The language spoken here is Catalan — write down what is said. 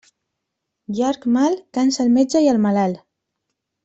Llarg mal cansa el metge i el malalt.